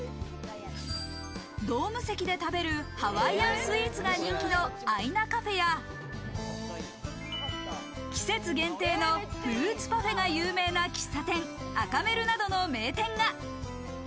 ドーム席で食べるハワイアンスイーツが人気のＡＩＮＡＣＡＦＥや、季節限定のフルーツパフェが有名な喫茶店、Ａｋａｍｅｒｕなどの名店が。